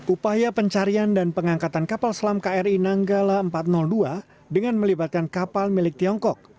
upaya pencarian dan pengangkatan kapal selam kri nanggala empat ratus dua dengan melibatkan kapal milik tiongkok